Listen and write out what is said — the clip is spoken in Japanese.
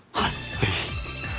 ぜひ！